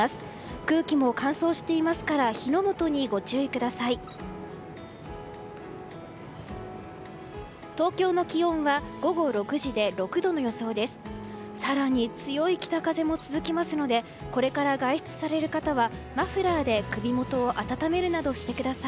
空気も乾燥していますから火の元にご注意ください。